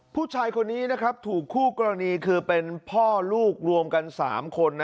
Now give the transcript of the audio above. ผู้ชายคนนี้นะครับถูกคู่กรณีคือเป็นพ่อลูกรวมกันสามคนนะ